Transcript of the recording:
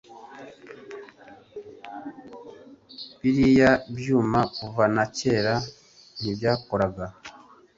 biriya byuma kuva na kera ntibyakoraga